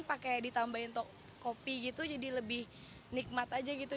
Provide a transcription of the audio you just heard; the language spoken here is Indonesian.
pakai ditambahin untuk kopi gitu jadi lebih nikmat aja gitu